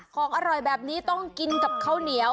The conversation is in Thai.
ของอร่อยแบบนี้ต้องกินกับข้าวเหนียว